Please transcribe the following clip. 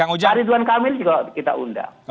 hari tuhan kamil juga kita undang